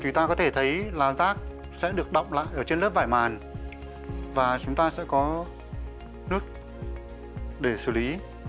chúng ta có thể thấy là rác sẽ được động lại ở trên lớp vải màn và chúng ta sẽ có nước để xử lý